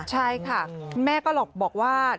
ใช่ค่ะแม่ก็บอกว่า